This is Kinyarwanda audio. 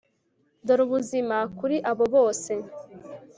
dore ubuzima kuri abo bose